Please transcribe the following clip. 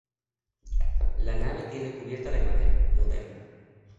La nave tiene cubierta de madera, moderna.